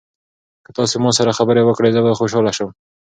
که تاسي ما سره خبرې وکړئ زه به خوشاله شم.